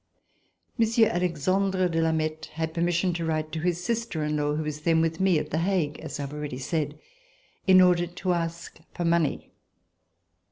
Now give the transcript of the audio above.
Monsieur Alexandre de Lameth had pemiission to write to his sister in law who was then with me at The Hague, as I have already said, in order to ask for money.